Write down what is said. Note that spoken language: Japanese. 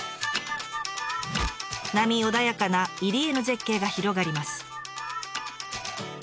波穏やかな入り江の絶景が広がります。